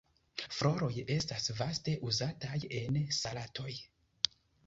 Floroj estas vaste uzataj en salatoj.